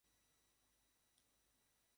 আমি এদিকে স্নান করছি আর তুই এদিকে ঘামছিস!